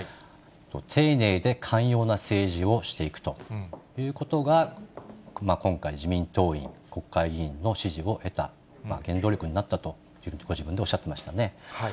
丁寧で寛容な政治をしていくということが、今回、自民党員、国会議員の支持を得た、原動力になったというふうにご自分でおっしゃってましたね。